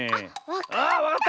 あっわかった！